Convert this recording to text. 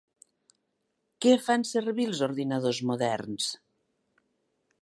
Què fan servir els ordinadors moderns?